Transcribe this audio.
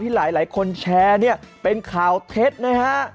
หลายคนแชร์เนี่ยเป็นข่าวเท็จนะฮะ